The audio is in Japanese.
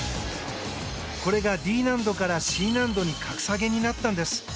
これがＤ難度からＣ難度に格下げになったんです。